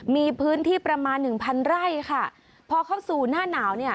มีพื้นที่ประมาณหนึ่งพันไร่ค่ะพอเข้าสู่หน้าหนาวเนี่ย